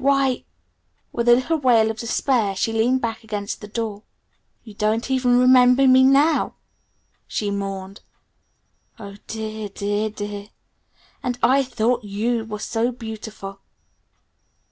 Why " With a little wail of despair she leaned back against the door. "You don't even remember me now?" she mourned. "Oh dear, dear, dear! And I thought you were so beautiful!"